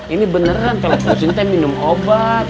ini beneran kalau pusing teh minum obat